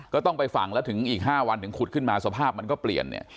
ก็ต้องไปฝังแล้วถึงอีก๕วันถึงขุดขึ้นมาสภาพมันก็เปลี่ยนเนี่ย